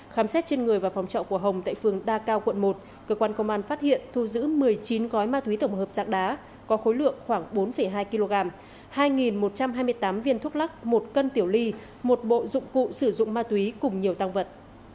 khám xét trên người và phòng trọ của hồng tại phường đa cao quận một cơ quan công an phát hiện thu giữ một mươi chín gói ma túy tổng hợp dạng đá có khối lượng khoảng bốn hai kg hai một trăm hai mươi tám viên thuốc lắc một cân tiểu ly một bộ dụng cụ sử dụng ma túy cùng nhiều tăng vật